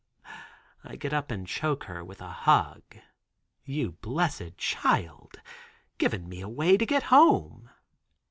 I get up and choke her with a hug. "You blessed child, given me a way to get home."